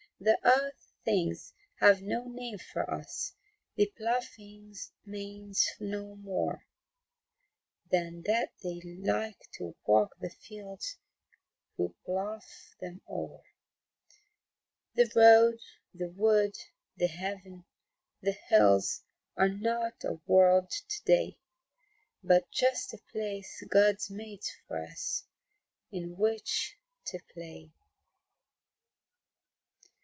The earth things have no name for us, The ploughing means no more Than that they like to walk the fields Who plough them o'er. The road, the wood, the heaven, the hills Are not a World to day But just a place God's made for us In which to play.